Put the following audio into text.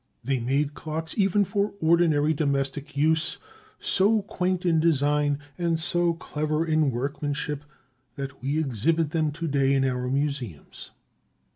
They made clocks even for ordinary domestic use so quaint in design and so clever in workmanship that we exhibit them to day in our museums.